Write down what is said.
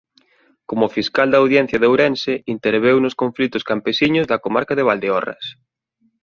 Como fiscal da Audiencia de Ourense interveu nos conflitos campesiños da comarca de Valdeorras.